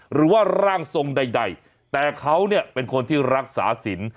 หรือว่าร่างทรงใดแต่เขาเนี่ยเป็นคนที่รักษาสิน